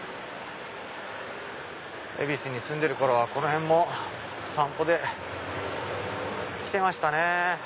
恵比寿に住んでる頃はこの辺も散歩で来てましたね。